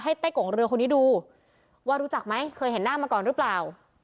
ไต้กงเรือคนนี้ดูว่ารู้จักไหมเคยเห็นหน้ามาก่อนหรือเปล่า